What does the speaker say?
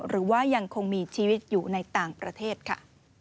หรือว่ายังคงมีชีวิตอยู่ในต่างประเทศค่ะ